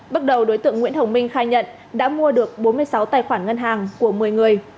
bước đầu đối tượng nguyễn hồng minh khai nhận đã mua được bốn mươi sáu tài khoản ngân hàng của một mươi người